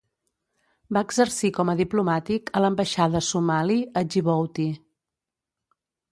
Va exercir com a diplomàtic a l'ambaixada somali a Djibouti.